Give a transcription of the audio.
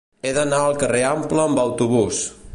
He d'anar al carrer Ample amb autobús.